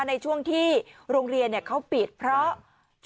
ในช่วงที่โรงเรียนเขาปิดเพราะ